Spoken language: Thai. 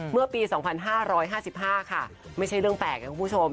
เมื่อปี๒๕๕๕ค่ะไม่ใช่เรื่องแปลกนะคุณผู้ชม